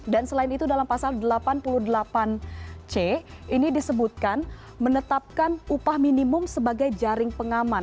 dan selain itu dalam pasal delapan puluh delapan c ini disebutkan menetapkan upah minimum sebagai jaring pengaman